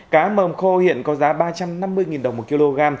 cá mầm khô hiện có giá ba trăm năm mươi đồng một kg